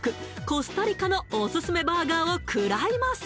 コスタリカのおすすめバーガーを食らいます